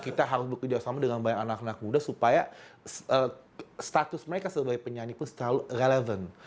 kita harus bekerja sama dengan banyak anak anak muda supaya status mereka sebagai penyanyi pun selalu relevan